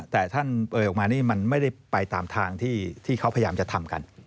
แต่ท่านเอ่ยออกมานี่มันไม่ได้ไปตามทางที่เขาพยายามจะทำกัน